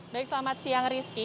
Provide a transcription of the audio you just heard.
baik selamat siang rizky